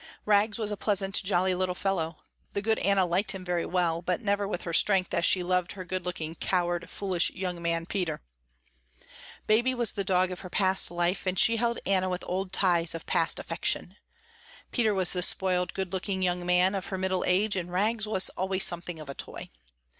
Rags was a pleasant, jolly little fellow. The good Anna liked him very well, but never with her strength as she loved her good looking coward, foolish young man, Peter. Baby was the dog of her past life and she held Anna with old ties of past affection. Peter was the spoiled, good looking young man, of her middle age, and Rags was always something of a toy.